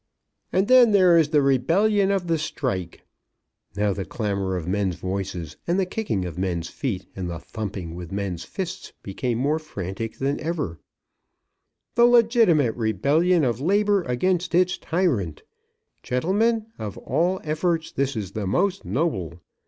"And then there is the rebellion of the Strike;" now the clamour of men's voices, and the kicking of men's feet, and the thumping with men's fists became more frantic than ever;" the legitimate rebellion of Labour against its tyrant. Gentlemen, of all efforts this is the most noble.